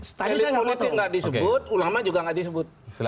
stylist politik nggak disebut ulama juga nggak disebut